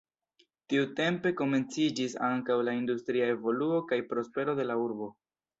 Tiutempe komenciĝis ankaŭ la industria evoluo kaj prospero de la urbo.